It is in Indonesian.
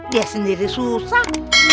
dia sendiri susah